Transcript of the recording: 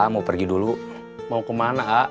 jangan sampai kecepetan